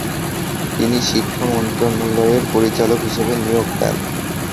তিনি শিক্ষা মন্ত্রণালয়ের পরিচালক হিসেবে নিয়োগ দেন।